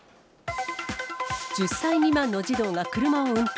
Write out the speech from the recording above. １０歳未満の児童が車を運転。